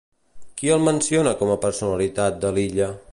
Qui el menciona com a personalitat de l'illa?